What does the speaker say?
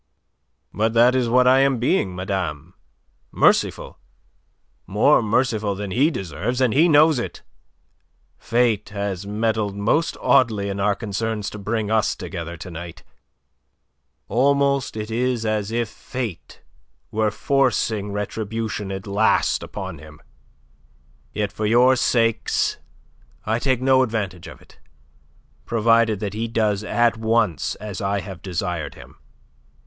"But that is what I am being, madame merciful; more merciful than he deserves. And he knows it. Fate has meddled most oddly in our concerns to bring us together to night. Almost it is as if Fate were forcing retribution at last upon him. Yet, for your sakes, I take no advantage of it, provided that he does at once as I have desired him."